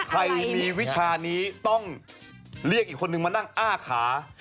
ใครมีวิชานี้ต้องเรียกอีกคนนึงมานั่งอ้าขา